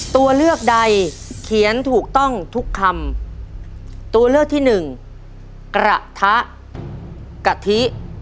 ตัวเลือกใดเขียนถูกต้องทุกคำตัวเลือกที่หนึ่งกระทะกะทิ